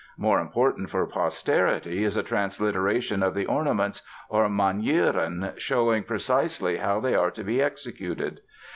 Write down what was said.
More important for posterity is a transliteration of the ornaments, or "Manieren," showing precisely how they are to be executed.